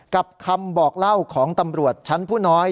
คำบอกเล่าของตำรวจชั้นผู้น้อย